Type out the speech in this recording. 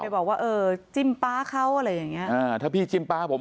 บอกว่าเออจิ้มป๊าเขาอะไรอย่างเงี้อ่าถ้าพี่จิ้มป๊าผม